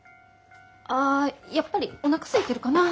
あやっぱりおなかすいてるかな。